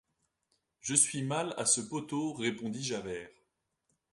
Je suis mal à ce poteau, répondit Javert.